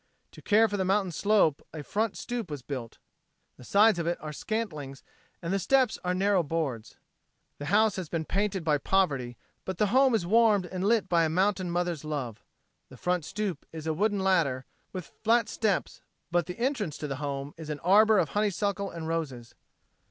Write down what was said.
To care for the mountain's slope a front stoop was built. The sides of it are scantlings and the steps are narrow boards. The house has been painted by Poverty; but the home is warmed and lit by a mountain mother's love. The front stoop is a wooden ladder with flat steps but the entrance to the home is an arbor of honey suckle and roses.